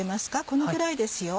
このぐらいですよ。